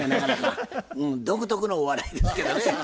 独特のお笑いですけどね。